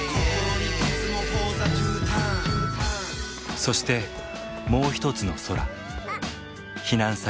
そしてもう一つの空